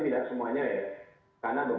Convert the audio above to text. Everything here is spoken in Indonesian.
memang potensi untuk jalan nasional ada beberapa